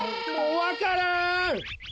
わからん！